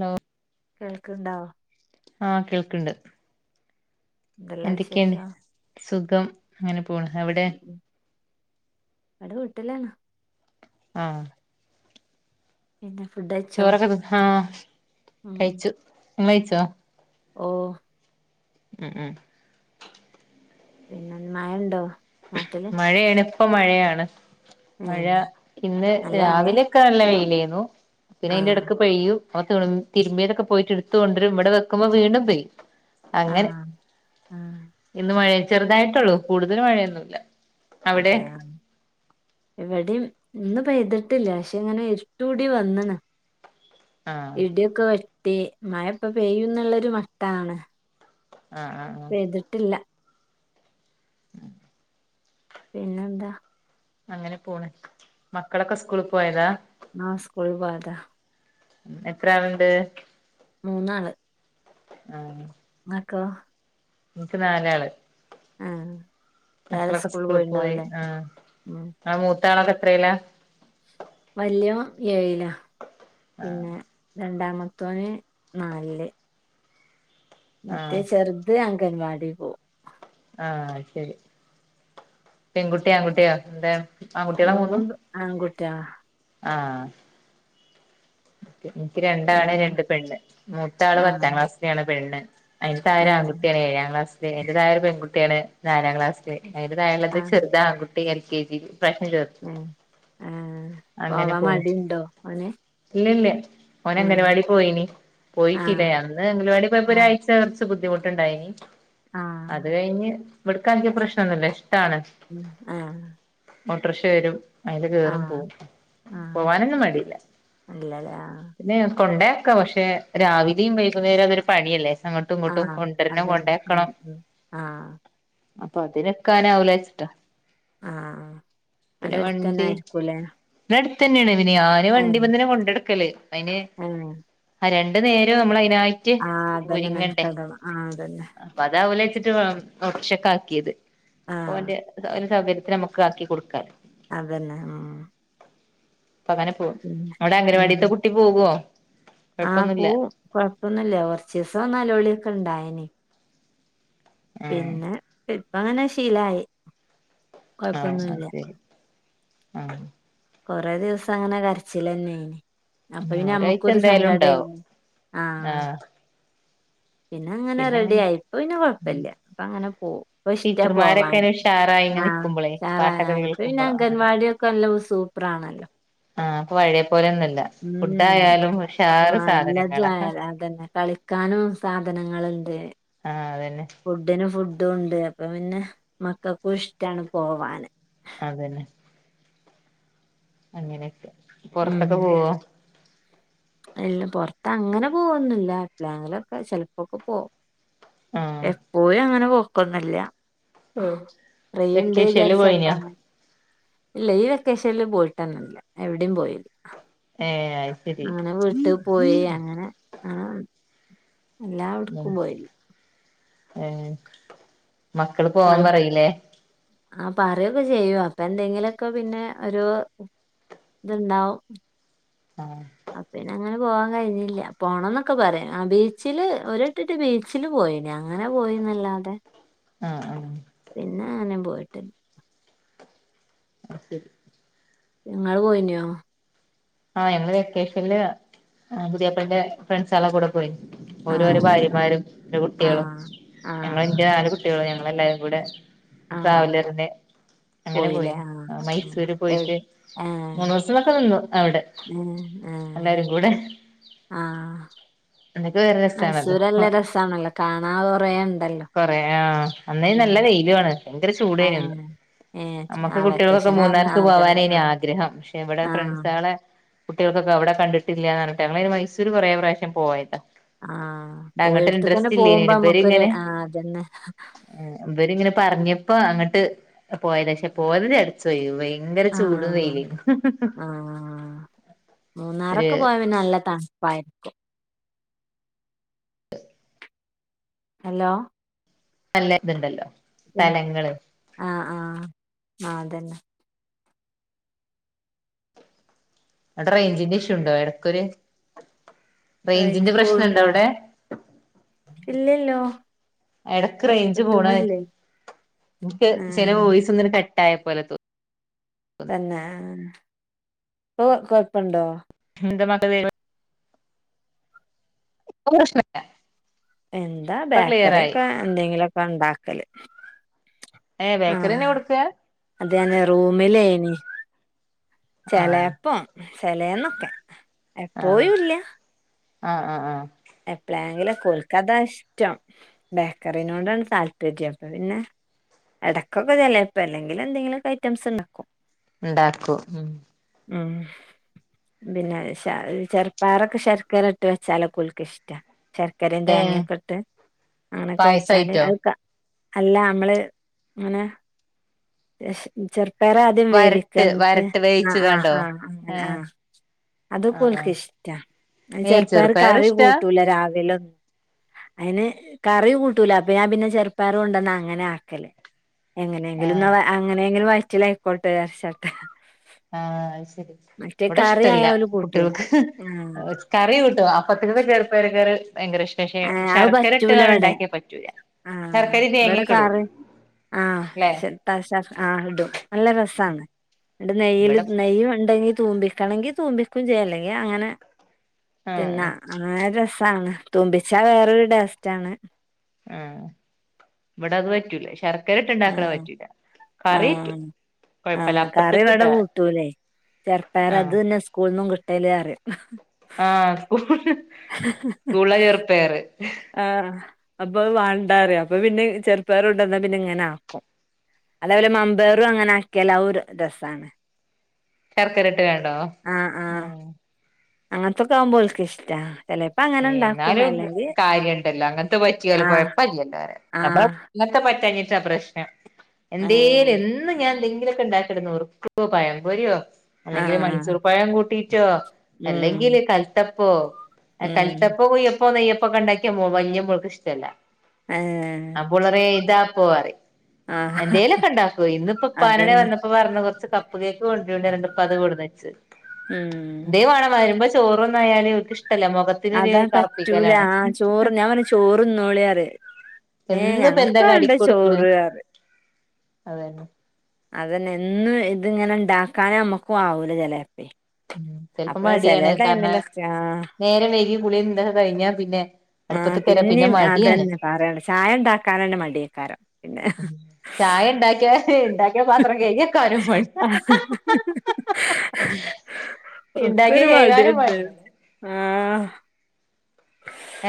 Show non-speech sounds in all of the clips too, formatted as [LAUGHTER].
Law കേൾക്ണ്ടോ ആ കേൾക്ണ്ട് എന്തെല്ലാം വിശേഷം സുഖം അങ്ങനെ പോ പോണ് അവിടെ ഇവിടെ വീട്ടിലാണ് ആഹ് പിന്നെ ഫുഡ് കഴിച്ചോ ചോറൊക്കെ തിന്ന് ആഹ് കഴിച്ചു ഇങ്ങളയിച്ചോ? ഓഹ് ഉം ഉം പിന്നെന്ന് മഴയ്ണ്ടോ മഴയെണ് പ്പം മഴയാണ്. ഉം മഴ ഇന്ന് നല്ല മഴയാ രാവിലെ ഒക്കെ നല്ല വെയിലെര്ന്നു [UNINTELLIGIBLE] പിന്നെ അയിന്റെ ആഹ് എടക്ക് പെയ്യും [UNINTELLIGIBLE] തിരുമ്പിയതൊക്കെ എടുത്തു കൊണ്ടോരും ഇവടെ വെക്കുമ്പോ വീണ്ടും പെയ്യും. അങ്ങനെ ആഹ് ആഹ് ഇന്ന് മഴയ് ചെറുതായിട്ടൊള്ളൂ കൂടുതൽ മഴയൊന്നു [UNINTELLIGIBLE] അതെയോ ഇവടിം ഇന്ന് പെയ്‌ത്ട്ട്ല്ല ക്ഷെങ്ങനെ ഇരുട്ടൂടി വന്ന്ണ് ആഹ് ഇടി ഒക്കെ ടി മഴ ഇപ്പം പെയ്യും ന്നുള്ളൊര് മട്ടാണ് ആഹ് ആഹ് ആഹ് പെയ്‌തിട്ടില്ല പിന്നെന്താ അങ്ങനെ പോണ് മക്കളൊക്കെ സ്കൂൾ പോയതാ ആ സ്കൂൾ പോയതാ എത്ര ആള്ണ്ട് മൂന്നാള് ആഹ് ഇങ്ങക്കൊ ൻക് നാലാള് ആഹ് എല്ലാരും മക്കളൊക്കെ സ്കൂളിൽ സ്കൂൾ പോയി പോയിണ്ടാവുംല്ലേ ആ ഉം ഇങ്ങളെ മൂ ത്താലൊക്കെ എത്രേല വല്യോൻ ഏഴില ആ പിന്നെ രണ്ട് ണ്ടാമതോന് നാലില് ആ മറ്റേ ചെർത്‌ അൻ അംഗൻവാടി പോകും ആ ശെരി പെൺകുട്ടിയോ ആൺകുട്ടിയോ എന്തെ മൂന്നും ആൺകു ട്ടിയ ആഹ് എനിക്ക് രണ്ടാണ് പിന്നെ രണ്ട് പെണ്ണ് മൂത്തയാള് ആഹ് പത്താംക്ലാസ്സിലാണ് പെണ്ണ് അയിന് താഴെ ഏഹ് ആൺകുട്ടിയാണ് ഏഴാംക്ലാസ്സ്‌ നേരെ താഴെ പെൺകുട്ടിയാണ് നാലാം ക്ലാസ്സില് നേരെ താഴെയുള്ളത് ചെറുത്‌ ആൺകുട്ടിയ കെജിയില് മ് ഏഹ് അങ്ങനെ പോവാൻ പോണ് മടിണ്ടോ ഓന് ഇല്ലില്ല ഓന് ഏഹ് അങ്കണവാടിയില് പോയിന് ആഹ് പോയിട്ടില്ലേ അന്ന് അങ്കണവാടിയില് പോയപ്പോ ആഹ് ഒരാഴ്ച കുറ ബുദ്ധിമുട്ടുണ്ടായിനി ആഹ് അത് കഴിഞ്ഞ് ഇവട് കാക്കി പ്രശ്നൊന്നൂല്ല ആഹ് ഓട്ടോറിക്ഷ വരും അയില് കേറും ആഹ് പോകും ആഹ് പോവാനൊന്നും മടിയില്ല [UNINTELLIGIBLE] കൊണ്ടെയാക്കാം പക്ഷെ രാവിലെയും വൈകുന്നേരോ അതൊരു പണിയല്ലേ അങ്ങോട്ടും ഇങ്ങോട്ടും ആഹ് കൊണ്ടുവരണം അതന്നെ മ് കൊണ്ടയാക്കണം മ് ആഹ് അപ്പൊ അതിനൊക്കെനാവുലാച്ചിട്ടാ ആഹ് പിന്നെ അവിടെ അടുത്തന്നെ വണ്ടി ആയിരിക്കൂലേ അടുത്തന്നാണ് [UNINTELLIGIBLE] ഇനി ആരു വണ്ടി ഏഹ് എന്റടുക്കല് അയിന് ഏഹ് രണ്ട് നേരെ അമ്മളയിന് നായിട്ട് ആഹ് അതന്നെ ഒരുങ്ങണ്ടേ മെനക്കെടണം ആഹ് അതന്നെ അപ്പോ അതാവൂലാന്ന് വെച്ചിട്ട് [UNINTELLIGIBLE] [UNINTELLIGIBLE] രം ആഹ് മ്മക്ക് ആക്കി കൊടുക്ക അതന്നെ ഉം പങ്ങനെ പോവും പിന്നെ ടെ ഉം അങ്കണവാടിത്തെ കുട്ടി പോവും പോം ആ പോവും കുഴപ്പമൊന്നും ഇല്ല കുറച്ച് ദിവസം നെലവിളി ഒക്കെ ഇണ്ടായിനി ആഹ് പിന്നെ പി- അങ്ങനെ ശീലായി ഏഹ് കൊഴപ്പൊന്നുല്ല ശരി ആ കുറേ ദിവസം അങ്ങനെ കരച്ചില് തന്നെയാണ് അപ്പഴും ഒരാഴ്ച ഞമ്മക്കും ഒരു എന്തായാലും സങ്കട ഉണ്ടാവും ആയിരുന്നു ആഹ് പിന്നെങ്ങനെ പിന്നെ റെഡി അങ്ങനെ ആയി ഇപ്പൊ പിന്നെ കൊഴപ്പല്ലാ ഇപ്പങ്ങനെ പോവും ഇപ്പ ഇഷ്ടാ ടീച്ചർമാരൊക്കെ പോവാന് ഒരു ഉഷാറായി ഇങ്ങനെ ആ നിക്കുമ്പോളേ സാറ പാട്ടൊക്കെ ഇപ്പൊ പിന്നെ കേൾക്കുമ്പോ അങ്ങനെ അങ്കണവാടിക്കെ എല്ലാ സൂപ്പറാണല്ലോ ആഹ് ഇപ്പൊ പഴയ പോലെയൊന്നുല്ല ഫുഡ് ആയാലും ഉം ഉഷാറ് നല്ലത് സാധനങ്ങളാ അതന്നെ കളിക്കാനും സാധനങ്ങളുണ്ട് ആ അതെ ഫുഡ്ന് ഫു- ഡുണ്ട് അപ്പൊ പിന്നെ മക്കൾക്കും ഇഷ്ടാണ് പോവാന് അത് തന്നെ അങ്ങനെ ഒക്കെ ഉം പുറത്ത്ക്ക് പോവോ ഇല്ല പോർത്ത് അങ്ങനെ പോവോന്നൂല്യ എപ്പളേങ്കിലോക്കെ ചെലപ്പൊക്കെ പോവും എപ്പോഴും അങ്ങനെ പോ ക്കൊന്നുല്യ ഉം വെക്കേഷൻല് വിചാരിച്ചാട്ട് പോയ്നോ അങ്ങനെ ഇല്ല ഈ വെക്കേഷൻല് പോയിട്ടന്നേ ഇല്ല എവിടേം പോയില്ല ഏ ശരി ആ ഞാൻ വീട്ട് പോയി അങ്ങനെ ആ അല്ലാ ഉം ഒട്ക്കും പോയി ഏ മക്കള് പോവാൻ ഇങ്ങളും പറീല്ലേ ആ പറിക്കെ ചെയ്യും അപ്പ എന്തെങ്കിലോക്കെ പിന്നെ ഒരു ത് ഇണ്ടാവും [UNINTELLIGIBLE] അ പിന്നെങ്ങനെ പോവാൻ കഴിഞ്ഞില്ല പോണംന്നൊക്കെ പറിം ആ ബീച്ച്ല് ഒരുവട്ടറ്റെ ബീച്ചില് പോഴിനി അങ്ങനെ പോയീന്നല്ലാതെ ആ ആ പിന്നെ [UNINTELLIGIBLE] പോയിട്ടില്ല അത് ശരി നിങ്ങള് പോയിനോ ആ ഞങ്ങള് വെക്കേഷല്ല് പുതിയാപ്പൾന്റെ ഫ്രണ്ട്‌സാളെ കൂടെ പോയി ഓരും ഒരെ ആഹ് ഭാര്യമാരും കുട്ടിയാളും ആഹ് ഞങ്ങള് ആഹ് ന്റെ നാല് കുട്ടിയാളും ഇങ്ങളെല്ലാരും കൂടെ ആഹ് ട്രാവലർന് അങ്ങനെ പോയില്ലേ പോയീന്ന് ആഹ് ആ ഉം മൈസൂര് എവി പോയിട്ട് മൂന്നു ദിവസക്കെ നിന്നു അവിടെ മ്, എല്ലാരും ഏഹ്, കൂടെ ആഹ്. അതൊക്കെ വേറെ രസാണല്ലോ മൈസൂരല്ല രസാണല്ലോ കാണാൻ കൊറേ ഇണ്ട കൊറേ ആ അന്നയ്ന് നല്ല വെയിലു ആണ് ഭയങ്കര ചൂടേനു അന്ന് ആഹ് ഏഹ് ആ അമ്മക്ക് കുട്ടികൾക്കൊക്കെ വെക്കേഷനാന്ന് മൂന്നാർക്ക് അതന്നെ പോവാനേ ന് ആഹ് ആഗ്രഹം പക്ഷേ ഇവടെ ആഹ് ഫ്രണ്ട്സേളെ കുട്ടികൾക്കൊക്കെ അവിടെ കണ്ടിട്ടില്യാന്നറഞ്ഞിട്ട് ഞങ്ങളയ്ന് മൈസൂര് കൊറേ പ്രാവശ്യം പോയതാ. ആഹ്, പോയോട്ത്ത്ക്കെന്നെ പോവുമ്പൊ അമ്മക്കൊരു, ആ ഏ ഇവരിങ്ങനെ പറഞ്ഞ് ഇപ്പൊ അങ്ങട്ട് പോയതാ പശേ പോയത് ചടച്ച് വോയി വെയ് ങ്കര ചൂട് ആഹ് വെയില്, ആഹ് ഒര് തണുപ്പ് ആയിരിക്കും ഹലോ അല്ലേത്ണ്ടല്ലോ മ്, ആഹ്, ആഹ് മാന്തെന്നെ. അവിടെ റേഞ്ച്ന്റെ ഇഷ്യൂ ഇണ്ടോ എടക്കൊരു റേഞ്ച്ന്റെ റേഞ്ച് പ്രശ്നം ഉണ്ടോ പോവ്ണ്ടോ അവിടെ? ഇല്ലല്ലോ ഇടക്ക് റേഞ്ച് പോണു കിട്ട്ണില്ലേ എനിക്ക് ചെല ആഹ് വോയിസിങ്ങനെ കട്ട് ട്ടായപോലെത്തോ തന്നെ ഇപ്പൊ കൊഴപ്പണ്ടോ? [UNINTELLIGIBLE] ഇപ്പോ പ്രശ്‌നില്ല. എന്താ ബേക്കറി ഒക്കെ എന്തെങ്കിലും ക്കെണ്ടാക്കല്. ഏഹ് ബേക്കറി നെ ഇവിടുത്തെയാ? അതെ റൂമിലെ ആയിനി ആഹ് ചേലെപ്പോ ചേലെന്നൊക്കെ. ആഹ് എപ്പോഴുയില്ല. ആഹ് ആ ആഹ് എപ്പളെങ്കിലൊക്കെ ഓൽക്കതാ ഇഷ്ടം. ബേക്കറിനോടാണ് താല്പര്യം, അപ്പൊ പിന്നെ ഇടക്കൊക്കെ ചെലപ്പോ അല്ലെങ്കിൽ എന്തെങ്കിലും ഐറ്റംസൊക്കെ ഉണ്ടാക്കും. ഉണ്ടാക്കും ഉം ഉം ഉം പിന്നെ ചെറുപയർയൊക്കെ ശർക്കര ഇട്ട് വച്ചാൽ ഓൾക്ക് ഇഷ്ട്ട ശർക്കരയും ഏ തേങ്ങയുംയൊക്കെ ഇട്ട് അ‍യൊക്കെ വച്ചാൽ പായസായിട്ടോ അ അല്ല നമ്മള് ഇങ്ങനെ. ലേശം പയർ ആദ്യം വേവിക്ക് വരട്ട് എന്നിട്ട് വരട്ട് വേയിച്ച് ആഹ് ആഹ് കാണ്ടോ ആഹ് അങ്ങനെ ഏ ആഹ് അതൊക്കെ ആഹ് ഓലുക്ക് ആഹ് ഇഷ്ടവാ, ഏ ചെറുപയർ കറി ഇഷ്ടാ കൂട്ടൂല രാവിലും. അയിന് കറി കുട്ടൂല്ല അപ്പൊ ഞാൻ പിന്നെ ചെറുപയർ കൊണ്ട് അന്നാ അങ്ങനെയെയ്ക്കൽ. എങ്ങനെങ്കിലും ആഹ് ഇന്ന് അങ്ങനെങ്കിലും വയറ്റിൽ ആയിക്കോട്ടെ ശകലം. ആഹ് അയ്ശെരി ഇവിടെ ഇഷ്ട്ടല്ല ആയാ ഓല് കൂട്ടൂല കുട്ടികൾക്ക് ആഹ് കറി കൂട്ടുവോ? പത്ത് രൂപക്ക് ചെറുപയർ കറി. ഭയങ്കര ഇഷ്ട പക്ഷെ ഉം അത്‌ ശർക്കര പറ്റൂല്ല ഇട്ട്കാണ്ട് ഇവിടെ ഉണ്ടാക്കിയാ പറ്റൂല ആഹ് ശർക്കരയും ഇവിടെ തേങ്ങൊക്കെ ഇടും ചാറു ല്ലേ വെച്ച, ആഹ് [UNINTELLIGIBLE] ഇടും. നല്ല രസാണ് എന്നിട്ട് നെയ്യിൽ ഇവിടെ നെയ്യ് ഉണ്ടെങ്കിൽ. തുമ്പിക്കണേൽ തുമ്പിക്കും ചെയ്യാം അല്ലെങ്കിൽ അങ്ങനെ. ആഹ് തിന്നാം നല്ല രസാ ഇപ്പൊ അങ്ങ തുമ്പിച്ചാൽ വേറൊരു ടേസ്റ്റ് ആണ്. ഉം ഇവിടെ അത്‌ പറ്റൂല്ല ശ ശർക്കര ഇട്ട് ഉണ്ടാക്കുന്നത് പറ്റൂല്ല. ആ ആ കറി വടെ അപ്പത്ത്ക്ക്ട്ടാ കുട്ടൂല്ലേ ചെറുപയർ അതു ആഹ് തന്നെ സ്കൂളിൾന്നും കിട്ടല് റിം ആ സ്കൂൾ മ്മ് സ്കൂളെ ചെറുപയറ് ആഹ് അപ്പൊ അഹ് വാണ്ടാറിം അപ്പൊ പിന്നെ ചെറുപയർ കൊണ്ടന്നാ പിന്നെ ഇങ്ങനെ ആക്കും അലപോലെ മം മ്പയറും അങ്ങനെ ആക്കേല് അവും രസാണ് ശർക്കര ഇട്ട്കാണ്ടോ അങ്ങൻത്തൊക്കാവുമ്പോ ഓൽക്ക് ഇഷ്ട്ടാ ഏഹ് എന്നാലും കാര്യണ്ടല്ലോ അങ്ങൻത്തെ പറ്റ്യാലും ആഹ് കൊഴപ്പല്ലല്ലോ പറിയ നമ്മൾ ആഹ് ഇങ്ങൻത്തെ പറ്റാഞ് ട്ടാ പ്രശ്നം എന്തേലും എന്ന് ഞാൻ ന്തെങ്കി ന്തെങ്കിലൊക്കെ ണ്ടാക്കല്ണ്ട് നുറുക്കോ പഴംപൊര്യോ അല്ലെങ്കില് ആഹ് മൈസൂർ പഴം കൂട്ടി ചോ ഉം അല്ലെങ്കില് കൽത്തപ്പോ ഉം കൽതപ്പൊ കുയ്യപ്പ് പ്പോ നെയ്യപ്പൊക്കെ ണ്ടാക്കിയ മോ വല്യ മോൾക്ക് ഇഷ്ട്ടല്ല ഏഹ് അപ്പോ ഓളറിയാ എഴ്താ പോവാറിയും ആഹ് എന്തേലൊക്കെ ഇണ്ടാക്കുവേയ് ഇന്ന് ഇപ്പ [UNINTELLIGIBLE] അതന്നെ വന്നപ്പൊ പർഞ്ഞ് കൊറച്ച് കപ്പ് കേക്ക് കൊണ്ടരോണ്ടി പറഞ്ഞിട്ട് ഇപ്പോ അത് കൊട്ന്നെച്ച് ഉം എന്തേം വേണം വരുമ്പൊ ച ചോറൊന്നായാല് ഓൽക് ഇഷ് അതാ പറ്റൂല ആ ചോറ് ഞാൻ പറിം ചോർന്നോളി പറിം ഏ എന്നും ഇപ്പ ഞങ്ങൾക്ക് എന്താ കാടി വാണ്ടാ കൊടുക്കണ് ചോറ് പറിം. അതന്നെ അതന്നെ എന്നും ഇത്ങ്ങനെ ണ്ടാക്കാന് ഞമ്മക്കു ആവൂല ചെലേപ്പെ ഉം ചെൽപ്പം മടിയാണ് കാരണം ആഹ് നേരം വയ്കി കുളിം ഇതൊക്കെ കഴിഞ്ഞാ പിന്നെ ആഹ് അട്പ്പത്ത്ക്ക് വെരാൻ പിന്നെ പിന്നിം മടിയാണ് അതന്നെ പറയണ്ട ചായ ഇണ്ടാക്കാനന്നെ മടിയേക്കാരം പിന്നെ ചായണ്ടാക്ക്യാല് ണ്ടാക്ക് കിയ പാത്രം കെയ്ക്യക്കാനും മടിയാ ഇണ്ടാക്കിയേ ഒക്കൊരു കെയ്കാനും മടിയന്നെ മടിയാണ് ആഹ്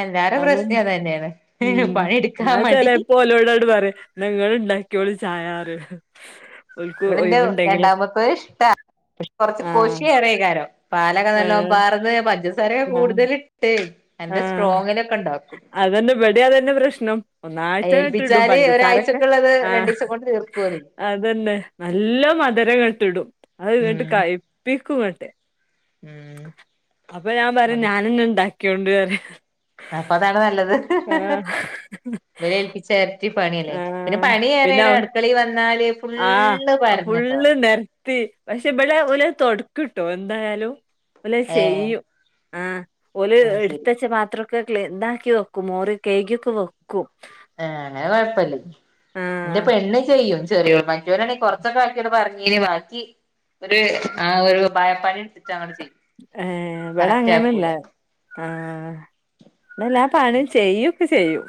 എല്ലാരെ പ്രശ്ന്നോം അതന്നെ അതെന്നെയാണ് ഉം പണിയെടുക്കാൻ മടി ഇന്ന്ങ്ങള് ണ്ടാക്കിയോളീ ചായാറിം വ്ടന്റെ രണ്ടാമത്തോന് ഇഷ്ടാ പ കൊർച്ച് ആഹ് കൊഷി ഏറേക്കാരം പാലൊക്കെ നല്ലോം ഏഹ് പാർന്ന് പഞ്ചസ് സാരേ കൂട്തല്ട്ട് ആ അതന്നെ വ്ടിം അതന്നെ പ്രശ്നം ഒന്നായ്ട്ടങ്ങട്ട് ഇടും ഏൽപ്പിച്ചാല് പഞ്ചസാരൊക്കെ ഒരാഴ്ചക്കുള്ളത് ആ രണ്ടീസം കൊണ്ട് തീർക്കോല് അതന്നെ നല്ലോം മധ്‌രങ്ങട്ട്ടും അത്ങ്ങട്ട് ഉം കയ്പ്പിക്കും ങ്ങട്ട് തെ ഉം അപ്പൊ ഞാൻ പറിം ഞാന് ന്ന് ണ്ടാ ക്യാേണ്ട് റിം അപ്പതാണ് നല്ലത് വലേൽപ്പിച്ചാ ര്ട്ടി പണ്യല്ലെ പിന്നെ പണിയേറേണ് അട്ക്കളീ വന്നാല് ആ ഫുള്ള് അത് ഫുള്ള് പരന്നുണ്ടാവും നെര് ത്തി പക്ഷേ ഇബലെ ഓല് തൊട്ക്ക്ട്ടോ എന്തായാലും ഇപ്പലേ ഏഹ് ചെയ്യും. ആ ഓല് ആഹ് ശരി എടുത്തുവച്ചപാത്ര ക്ക ക്ലി, ഇതാക്കി വക്കും. മോറി കയ്കിയൊക്കെ വ ഏഹ് അങ്ങനെ കുഴപ്പല്ലെ ഇന്റെ ആഹ് പെണ്ണുചെയ്യും. ചെറ്യോൾ മറ്റോനാണേൽ കുറച്ചൊക്കെ വായ്ച്ചിയോട് പറഞ്ഞീനി വായ്ച്ചി ഒര് ഒപായ പണി ട് ഏഹ് ഇവിടങ്ങനല്ല ആക്കൂല ആഹ് ഇന്നാ ഞാൻ [UNINTELLIGIBLE] ചെയ്യുവൊക്കെ ചെയ്യും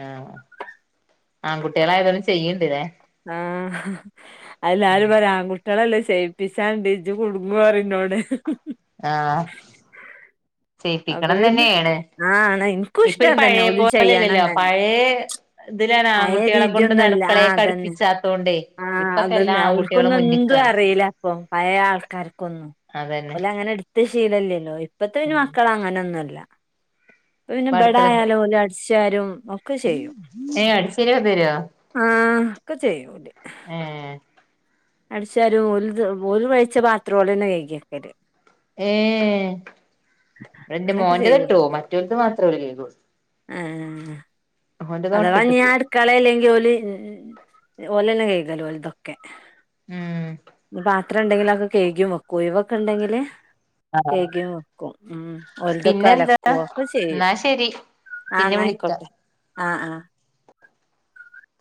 ആ ആൺകുട്ടികളായതോണ്ടും ചെയ്യണ്ട് ല്ലേ ആ ഹ് ഹ് അതെല്ലാരും പറയും ആൺകു ട്ടികളല്ലേ, ചെയ്യിപ്പിച്ചാണ്ടി ഇജ്ജ് കുടുങ്ങും പറിം ഇന്നോട് ആ.. അപ്പൊ ചെയ്യിപ്പിക്കണം ന്ന് പിന്നെ തന്നേണ് ആഹ് ആണ് ഇൻക്കും ഇപ്പ യിന് ഇഷ്ടം അതന്നെ ഓലും ചെയ്യണം പഴയപോലെയല്ലല്ലോ, തന്നെ പഴേയ ഇതിലാണ് പഴയ ആൺകുട്ടികളെ കൊണ്ട് ന്ന് രീതിയൊന്നുല്ല ആഹ് അതന്നെ അടുക്കളേക്കട്പ്പിച്ചാൽ, തോണ്ടെ, ആഹ് ഇപ്പക്കെല്ലാ ആൺകുട്ടികളും മുന്നിക്കാണ്. പ്പം പഴയ ആൾക്കാർക്കൊന്നും അതന്നെ ഓലങ്ങനെ ഇട് ത്ത് ശീലല്ലല്ലോ ഇപ്പത്തെ പിന്നെ മക്കളങ്ങനെയൊന്നല്ല. അതുപിന്നെ ഇപ്പ അടുക്കള ബടായായാലും ഒരാഴ്ച റ്റാരും ഒക്കെ ചെയ്യും ഏഹ് അടിച്ചേരൊക്കെ തരോ ആ ഒക്കെ ചെയ്യും ഓല് ഏഹ് അടിച്ച് വാരും, ഓല് ത് ഓല് കഴിച്ച പാത്രം ഓലന്നെ കഴുകിവെക്കല് ഏഹ് ഇവടെന്റെ അങ്ങനൊക്കെ മോന്റത് ചെയ്യും കിട്ടും മറ്റോൽത് മാത്രോല് കഴുകും ഏഹ് അഥവാ ഇഞ് ഞാൻ പോവും അടുക്കളയിൽ ഇല്ലെങ്കിൽ ഓല്, ഓലന്നെ കഴു കല് ഓൽതൊക്കെ ഉം [UNINTELLIGIBLE] പാത്രണ്ടെങ്കില് അ ഒക്കെ കഴുകിംവയ്ക്കും ഒഴിവൊക്കെണ്ടെങ്കില് കഴുകിംവക്കും ഉം ഓലതൊക്കെ പിന്നെ ന്താ അലക്കും ഒക്കെ ചെയ്യും ന്നാ ശെരി ആഹ് പിന്നെ ന്നാ വിളിക്കാ ആയിക്കോട്ടെ ആ ആ